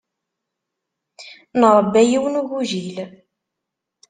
Nṛebba yiwen n ugujil.